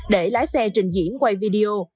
để lái xe trình diễn quay video